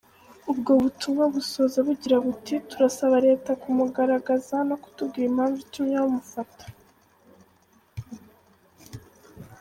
Ubwo butumwa busoza bugira buti: “Turasaba leta kumugaragaza no kutubwira impamvu itumye bamufata.”